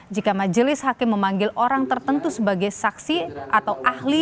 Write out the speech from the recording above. jika majelis hakim memanggil orang tertentu sebagai saksi atau ahli